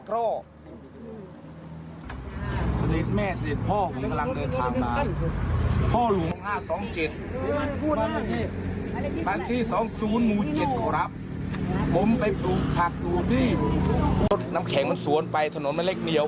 รถน้ำแข็งมันสวนไปถนนมันเล็กเหนียว